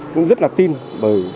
cũng rất là tin bởi